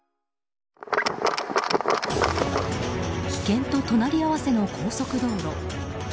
危険と隣り合わせの高速道路。